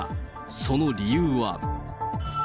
その理由は。